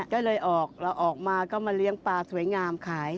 ก็เลยออกเราออกมาก็มาเลี้ยงปลาสวยงามขาย